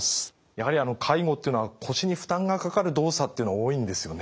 やはり介護っていうのは腰に負担がかかる動作っていうの多いんですよね？